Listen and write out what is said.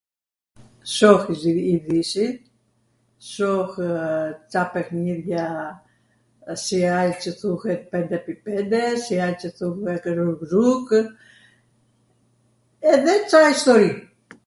Shoh idhisit, shohw ca pehnidhja si ai qw thuhet pende epi pende, si ai qw thuhet rug rugw, edhe ca istori.